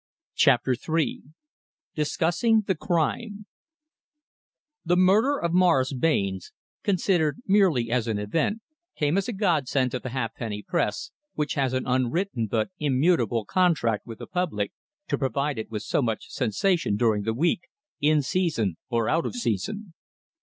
CHAPTER III DISCUSSING THE CRIME The murder of Morris Barnes, considered merely as an event, came as a Godsend to the halfpenny press, which has an unwritten but immutable contract with the public to provide it with so much sensation during the week, in season or out of season.